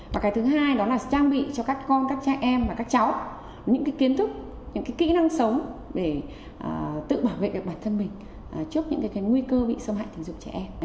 và cái thứ hai đó là trang bị cho các con các cha em và các cháu những kiến thức những kỹ năng sống để tự bảo vệ được bản thân mình trước những nguy cơ bị xâm hại tình dục trẻ em